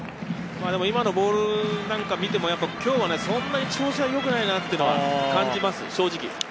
今のボールを見ても今日はそんなに調子が良くないなって感じます、正直。